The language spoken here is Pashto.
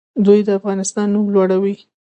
دوی د افغانستان نوم لوړوي.